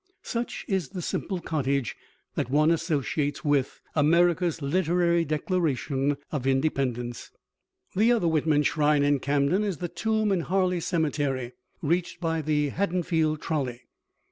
Such is the simple cottage that one associates with America's literary declaration of independence. The other Whitman shrine in Camden is the tomb in Harleigh Cemetery, reached by the Haddonfield trolley.